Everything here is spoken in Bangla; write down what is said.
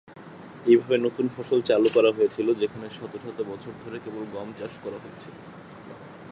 এইভাবে নতুন ফসল চালু করা হয়েছিল যেখানে শত শত বছর ধরে কেবল গম চাষ করা হয়েছিল।